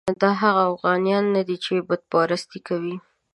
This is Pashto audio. دا هغه اوغانیان نه دي چې بت پرستي کوي.